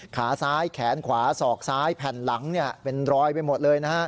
ขาซ้ายแขนขวาศอกซ้ายแผ่นหลังเป็นรอยไปหมดเลยนะฮะ